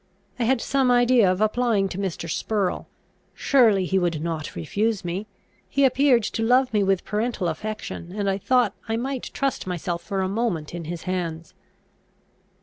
I had some idea of applying to Mr. Spurrel. Surely he would not refuse me? He appeared to love me with parental affection, and I thought I might trust myself for a moment in his hands.